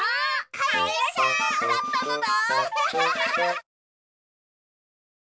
カエルさん！だったのだ。